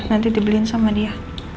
nanti dibeliin sama dia